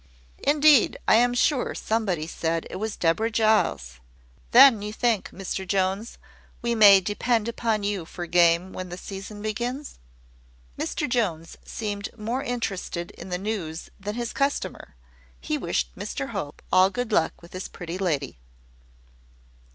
"Indeed: I am sure somebody said it was Deborah Giles. Then you think, Mr Jones, we may depend upon you for game when the season begins?" Mr Jones seemed more interested in the news than his customer; he wished Mr Hope all good luck with his pretty lady.